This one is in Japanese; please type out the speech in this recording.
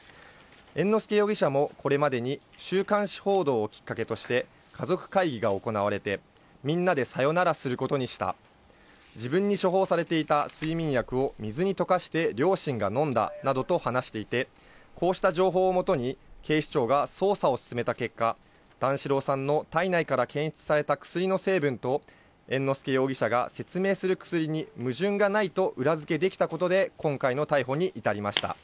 猿之助容疑者もこれまでに週刊誌報道をきっかけとして家族会議が行われて、みんなでさよならすることにした、自分に処方されていた睡眠薬を水に溶かして両親が飲んだなどと話していて、こうした情報をもとに警視庁が捜査を進めた結果、段四郎さんの体内から検出された薬の成分と猿之助容疑者が説明する薬に矛盾がないと裏付けできたことで今回の逮捕に至りました。